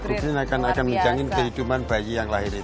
go green akan menjangin kehidupan bayi yang lahir itu